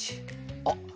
あっ！